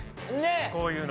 こういうの。